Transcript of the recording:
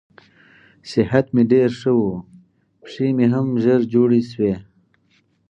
صحت مې ډېر ښه و، پښې مې هم ژر جوړې شوې.